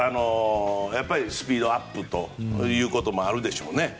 やっぱりスピードアップということもあるでしょうね。